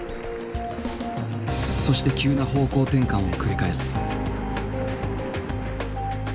そして急な方向転換を繰り返す。